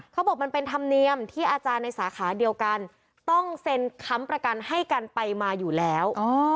เขาบอกมันเป็นธรรมเนียมที่อาจารย์ในสาขาเดียวกันต้องเซ็นค้ำประกันให้กันไปมาอยู่แล้ว